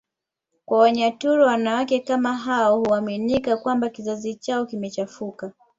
kwa Wanyaturu wanawake kama hao huaminika kwamba kizazi chao kimechafuka